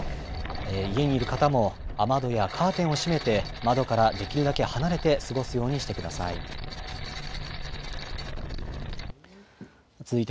家にいる方も、雨戸やカーテンを閉めて、窓からできるだけ離れて過ごすようにしてください。